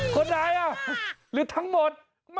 คนไหนหรือทั้งหมด